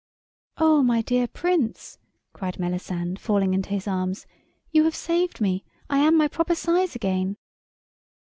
"Oh, my dear Prince," cried Melisande, falling into his arms, "you have saved me. I am my proper size again."